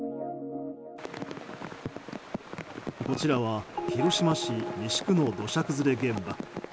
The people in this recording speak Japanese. こちらは広島市西区の土砂崩れ現場。